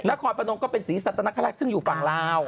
นครพนมก็เป็นศรีสัตนคลักษณ์ซึ่งอยู่ฝั่งลาว